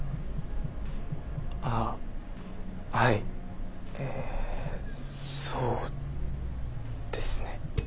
あはいえそうですね。